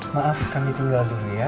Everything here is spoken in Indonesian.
maaf kami tinggal dulu ya